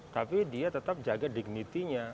tapi dia tetap jaga dignity nya